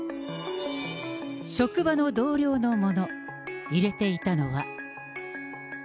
職場の同僚のもの。入れていたのは。